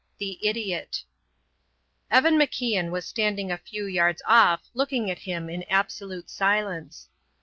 THE IDIOT Evan MacIan was standing a few yards off looking at him in absolute silence.